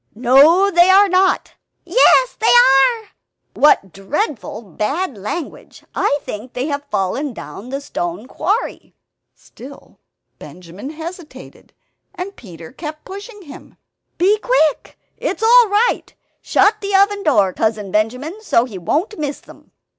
"No they are not." "Yes they are!" "What dreadful bad language! I think they have fallen down the stone quarry." Still Benjamin hesitated, and Peter kept pushing him "Be quick, it's all right. Shut the oven door, Cousin Benjamin, so that he won't miss them."